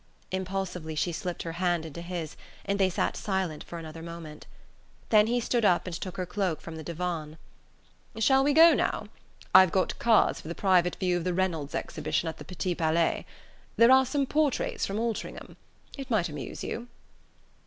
Impulsively she slipped her hand into his, and they sat silent for another moment. Then he stood up and took her cloak from the divan. "Shall we go now! I've got cards for the private view of the Reynolds exhibition at the Petit Palais. There are some portraits from Altringham. It might amuse you."